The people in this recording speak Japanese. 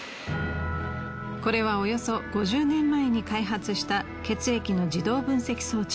これはおよそ５０年前に開発した血液の自動分析装置。